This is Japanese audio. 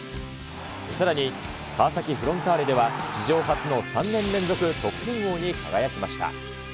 さらに、川崎フロンターレでは、史上初の３年連続得点王に輝きました。